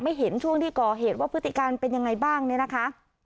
เห็นช่วงที่ก่อเหตุว่าพฤติการเป็นยังไงบ้างเนี่ยนะคะ